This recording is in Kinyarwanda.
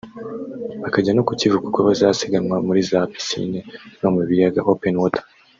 bakajya no ku Kivu kuko bazasiganwa muri za piscine no mu biyaga(open water)